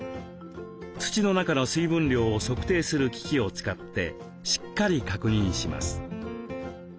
土の中の水分量を測定する機器を使ってしっかり確認します。